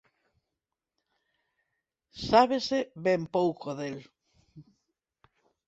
Sábese ben pouco del.